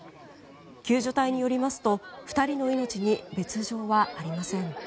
救助隊によりますと２人の命に別条はありません。